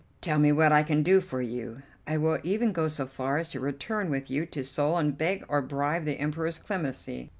Tell me what I can do for you. I will even go so far as to return with you to Seoul and beg or bribe the Emperor's clemency."